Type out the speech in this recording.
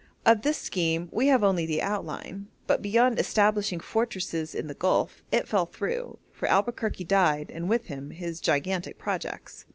Of this scheme we have only the outline, but, beyond establishing fortresses in the Gulf, it fell through, for Albuquerque died, and with him his gigantic projects.